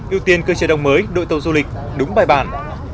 ưu tiên cơ chế đồng mới đội tàu du lịch đúng bài bản